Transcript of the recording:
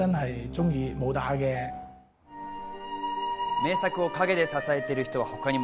名作を陰で支えている人は他にも。